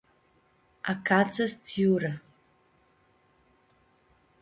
Acãtsã s-tsiurã.